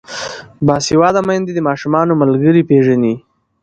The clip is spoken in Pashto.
باسواده میندې د ماشومانو ملګري پیژني.